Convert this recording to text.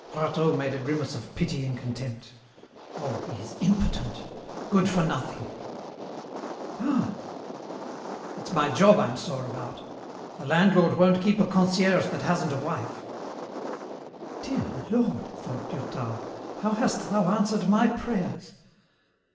Rateau made a grimace of pitying contempt, "Oh, he's impotent. Good for nothing " "Ah!" "It's my job I'm sore about. The landlord won't keep a concierge that hasn't a wife." "Dear Lord," thought Durtal, "how hast thou answered my prayers!